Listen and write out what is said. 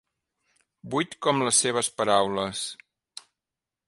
Buit com les seves paraules.